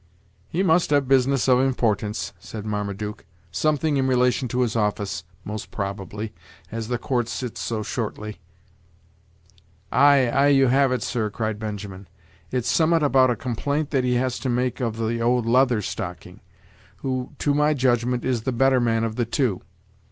"He must have business of importance," said Marmaduke: "something in relation to his office, most probably, as the court sits so shortly." "Ay, ay, you have it, sir," cried Benjamin; "it's summat about a complaint that he has to make of the old Leather Stocking, who, to my judgment, is the better man of the two.